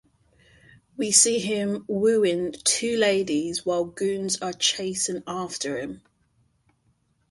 We see him wooing two ladies while goons are chasing after him.